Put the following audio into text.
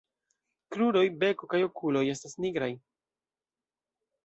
Kruroj, beko kaj okuloj estas nigraj.